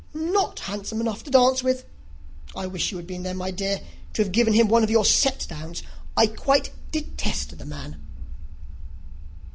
Not handsome enough to dance with! I wish you had been there, my dear, to have given him one of your set downs. I quite detest the man."